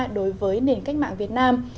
đối với nền cách mạng việt nam